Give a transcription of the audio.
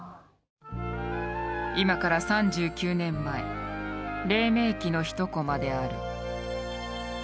今から３９年前れい明期の一こまである。